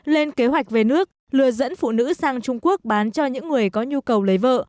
lên kế hoạch về nước lừa dẫn phụ nữ sang trung quốc bán cho những người có nhu cầu lấy vợ